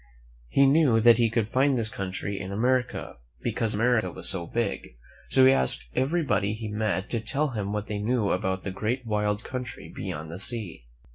He knew that he could find this country in America, because America was so big; so he asked everybody he met to tell him what they knew about the great wild country beyond the sea.